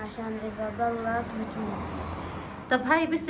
saya tidak mau karena jika saya tersisa saya akan mati